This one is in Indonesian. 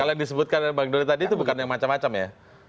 kalau yang disebutkan bang doli tadi itu bukan yang macam macam ya